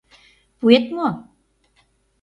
Пуэт мо?